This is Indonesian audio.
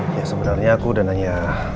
ya sebenarnya aku udah nanya